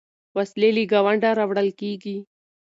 وسلې له ګاونډه راوړل کېږي.